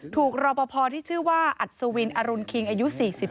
รอปภที่ชื่อว่าอัศวินอรุณคิงอายุ๔๒